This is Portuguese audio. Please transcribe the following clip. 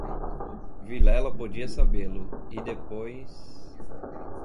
Vilela podia sabê-lo, e depois...